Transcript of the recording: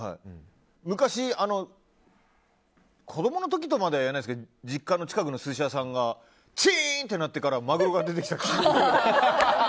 昔、子供の時とまでは言わないですけど実家の近くの寿司屋さんがチン！って鳴ってからマグロが出てきた。